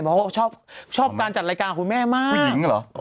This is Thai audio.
เพราะเราก็ชอบการจัดรายการของคุณแม่มาก